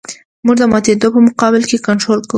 موږ د ماتېدو په مقابل کې کنټرول کوو